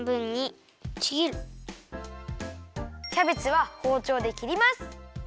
キャベツはほうちょうで切ります。